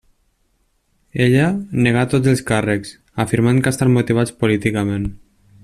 Ella negà tots els càrrecs afirmant que estan motivats políticament.